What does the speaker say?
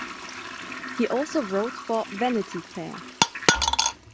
He also wrote for "Vanity Fair".